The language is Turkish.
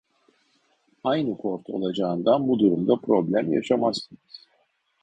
Aynı port olacağından bu durumda problem yaşamazsınız